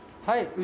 はい。